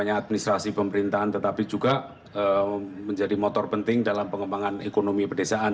hanya administrasi pemerintahan tetapi juga menjadi motor penting dalam pengembangan ekonomi pedesaan